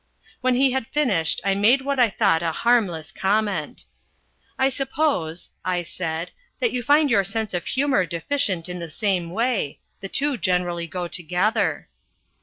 When he had finished I made what I thought a harmless comment. "I suppose," I said, "that you find your sense of humour deficient in the same way: the two generally go together."